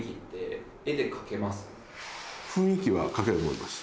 雰囲気は描けると思います。